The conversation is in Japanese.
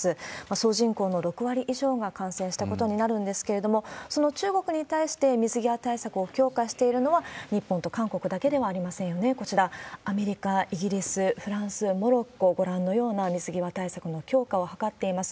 総人口の６割以上が感染したことになるんですけれども、その中国に対して、水際対策を強化しているのは、日本と韓国だけではありませんよね、こちら、アメリカ、イギリス、フランス、モロッコ、ご覧のような水際対策の強化を図っています。